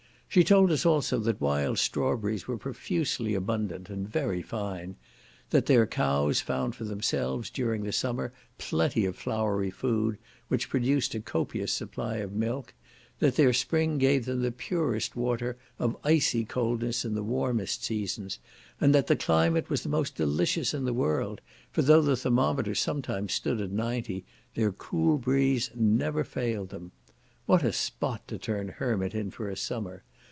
She told us also, that wild strawberries were profusely abundant, and very fine; that their cows found for themselves, during the summer, plenty of flowery food, which produced a copious supply of milk; that their spring gave them the purest water, of icy coldness in the warmest seasons; and that the climate was the most delicious in the world, for though the thermometer sometimes stood at ninety, their cool breeze never failed them. What a spot to turn hermit in for a summer!